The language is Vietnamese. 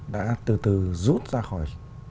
đã từ từ rút ra khỏi